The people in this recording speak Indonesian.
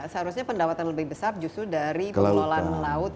seharusnya pendapatan lebih besar justru dari pengelolaan laut